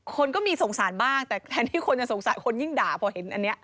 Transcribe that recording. คนก็มีสงสารบ้างแต่แทนที่คนจะสงสารคนยิ่งด่าพอเห็นอันนี้